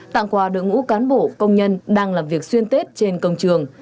tặng quà đội ngũ cán bộ công nhân đang làm việc xuyên tết trên công trường